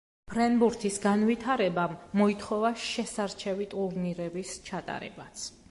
ფრენბურთის განვითარებამ მოითხოვა შესარჩევი ტურნირების ჩატარებაც.